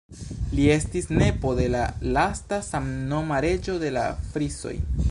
Li estis nepo de la lasta samnoma Reĝo de la Frisoj.